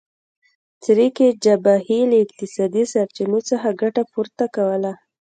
چریکي جبهې له اقتصادي سرچینو څخه ګټه پورته کوله.